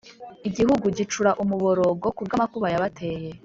Igihugu gicura umuborogo kubwamakuba yabateye